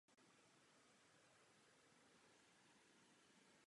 První díl je vyprávěn z pohledu Adelaide.